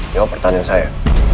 jawab pertanyaan saya